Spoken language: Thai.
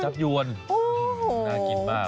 ก๋วยจับยวนน่ากินมาก